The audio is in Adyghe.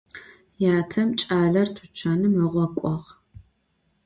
Yatem ç'aler tuçanem ığek'uağ.